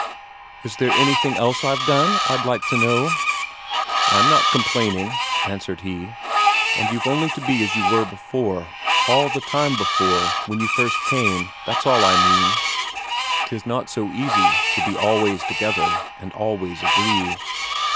"Is there anything else I've done, I'd like to know?" "I'm not complaining," answered he. "And you've only to be as you were before, all the time before, when you first came. That's all I mean." 'Tis not so easy to be always together and always agree.